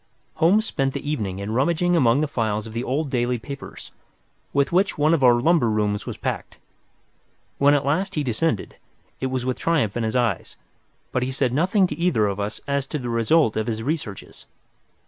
Holmes spent the evening in rummaging among the files of the old daily papers with which one of our lumber rooms was packed. When at last he descended, it was with triumph in his eyes, but he said nothing to either of us as to the result of his researches.